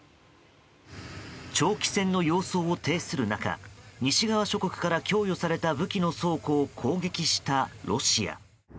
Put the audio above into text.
長期戦の様相を呈する中西側諸国から提供された武器の倉庫を攻撃したロシア。